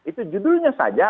itu judulnya saja